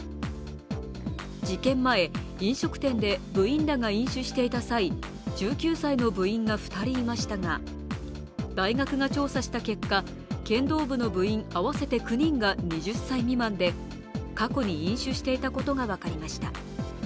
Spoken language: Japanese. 事件前、飲食店で部員らが飲酒していた際、１９歳の部員が２人いましたが大学が調査した結果剣道部の部員合わせて９人が２０歳未満で、過去に飲酒していたことが分かりました。